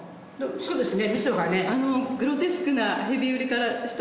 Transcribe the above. そうですね。